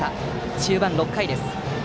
中盤６回です。